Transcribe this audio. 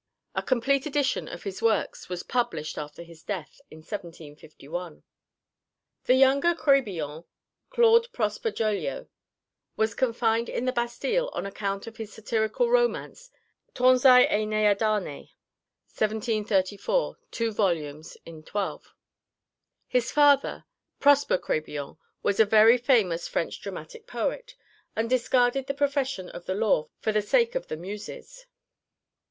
A complete edition of his works was published after his death in 1751. The younger Crébillon (Claude Prosper Jolyot) was confined in the Bastille on account of his satirical romance Tanzai et Néadarné (1734, 2 vols., in 12). His father, Prosper Crébillon, was a very famous French dramatic poet, and discarded the profession of the law for the sake of the Muses.